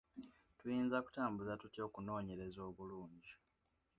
Tuyinza kutambuza tutya okunoonyereza obulungi?